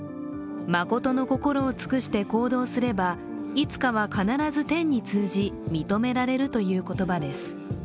真の心を尽くして行動すればいつかは必ず天に通じ認められるという言葉です。